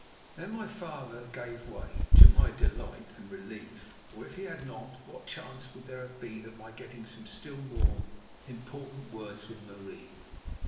Then my father gave way, to my delight and relief. For if he had not, what chance would there have been of my getting some still more important words with Marie?